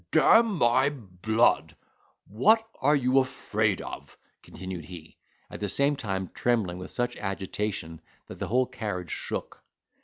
"D—n my blood! what are you afraid of?" continued he; at the same time trembling with such agitation that the whole carriage shook.